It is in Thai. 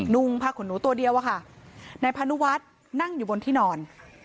นุ่งผ้าขนหนูตัวเดียวอะค่ะนายพานุวัฒน์นั่งอยู่บนที่นอน